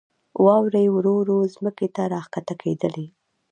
واورې ورو ورو ځمکې ته راکښته کېدلې.